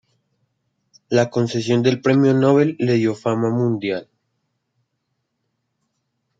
La concesión del premio Nobel le dio fama mundial.